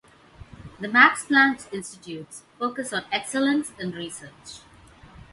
The Max Planck Institutes focus on excellence in research.